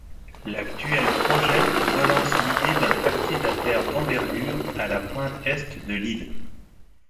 L'actuel projet relance l'idée d'un quartier d'affaires d'envergure, à la pointe Est de l'île.